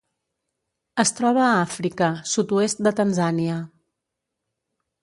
Es troba a Àfrica: sud-oest de Tanzània.